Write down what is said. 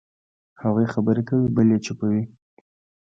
هغوی خبرې کوي، بل یې چوپ وي.